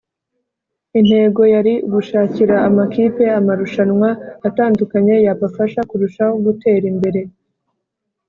Intego yari ugushakira amakipe amarushanwa atandukanye yabafasha kurushaho gutera imbere